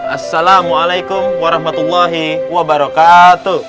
assalamualaikum warahmatullahi wabarakatuh